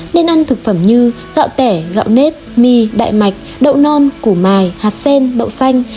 nên ăn thực phẩm như gạo tẻ gạo nếp my đại mạch đậu non củ mài hạt sen đậu xanh